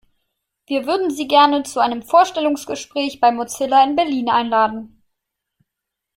Wir würden Sie gerne zu einem Vorstellungsgespräch bei Mozilla in Berlin einladen!